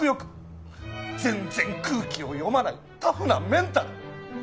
全然空気を読まないタフなメンタル。